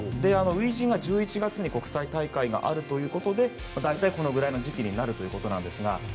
初陣が１１月に国際大会があるということで大体、このぐらいの時期になるということなんですが。